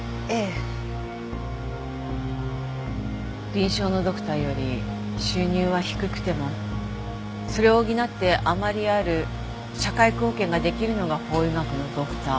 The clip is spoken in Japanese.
臨床のドクターより収入は低くてもそれを補って余りある社会貢献が出来るのが法医学のドクター。